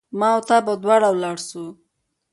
ما او تا به دواړه ولاړ سو